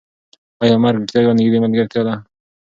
ایا مرګ رښتیا یوه نږدې ملګرتیا ده؟